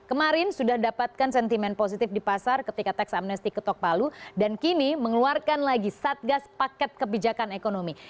kemarin sudah dapatkan sentimen positif di pasar ketika teks amnesti ketok palu dan kini mengeluarkan lagi satgas paket kebijakan ekonomi